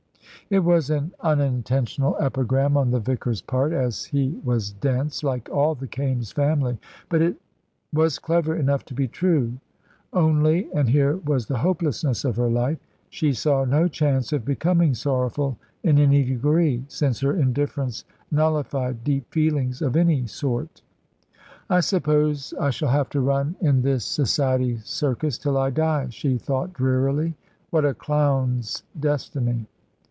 It was an unintentional epigram on the vicar's part, as he was dense, like all the Kaimes family; but it was clever enough to be true. Only and here was the hopelessness of her life she saw no chance of becoming sorrowful in any degree, since her indifference nullified deep feelings of any sort. "I suppose I shall have to run in this society circus till I die," she thought drearily. "What a clown's destiny!"